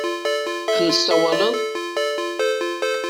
Ad n-tsawaleḍ?